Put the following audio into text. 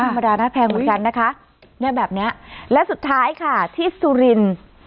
ธรรมดาแพงหมดกันนะคะแบบเนี้ยแล้วสุดท้ายค่ะที่ซูรริน